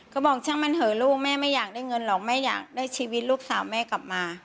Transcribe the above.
ก็บอกช่างมันเหอะลูกแม่ไม่อยากได้เงินหรอกแม่อยากได้ชีวิตลูกสาวแม่กลับมา